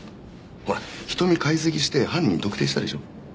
ほら瞳解析して犯人特定したでしょ。